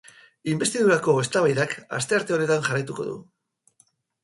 Inbestidurako eztabaidak astearte honetan jarraituko du.